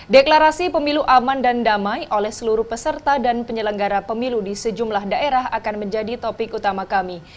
deklarasi pemilu aman dan damai oleh seluruh peserta dan penyelenggara pemilu di sejumlah daerah akan menjadi topik utama kami